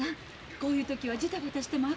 こういう時はジタバタしてもあかんの。